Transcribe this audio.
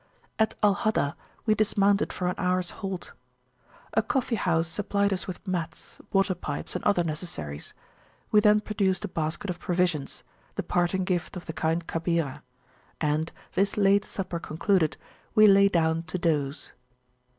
At Al Haddah we dismounted for an hours halt. A coffee house supplied us with mats, water pipes, and other necessaries; we then produced a basket of provisions, the parting gift of the kind Kabirah, and, this late supper concluded, we lay down to doze.